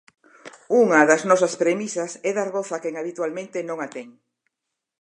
Unha das nosas premisas é dar voz a quen habitualmente non a ten.